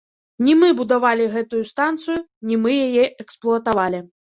Не мы будавалі гэтую станцыю, не мы яе эксплуатавалі.